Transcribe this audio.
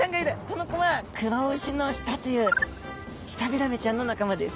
この子はクロウシノシタというシタビラメちゃんの仲間です。